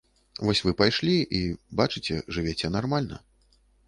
Вось вы пайшлі і, бачыце, жывяце нармальна.